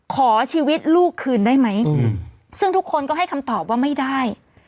ขอชีวิตลูกคืนได้ไหมซึ่งทุกคนก็ให้คำตอบว่าไม่ได้